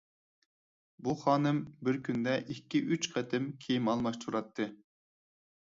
بۇ خانىم بىر كۈندە ئىككى-ئۈچ قېتىم كىيىم ئالماشتۇراتتى.